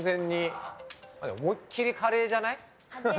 思いっきりカレーじゃない？